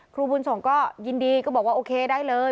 ครูบุญส่งก็ยินดีก็บอกว่าโอเคได้เลย